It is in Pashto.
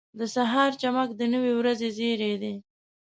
• د سهار چمک د نوې ورځې زیری دی.